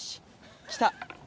来た。